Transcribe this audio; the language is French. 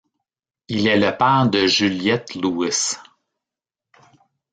Il est le père de Juliette Lewis.